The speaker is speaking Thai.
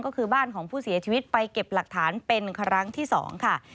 ก็คือบ้านของผู้เสียชีวิตไปเก็บหลักฐานเป็นครั้งที่๒ค่ะ